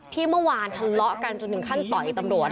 ที่เมื่อวานทะเลาะกันจนถึงขั้นต่อยตำรวจ